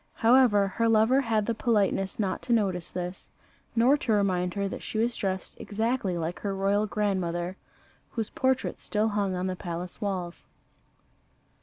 However, her lover had the politeness not to notice this, nor to remind her that she was dressed exactly like her royal grandmother, whose portrait still hung on the palace walls.